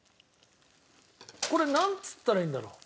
これなんつったらいいんだろう？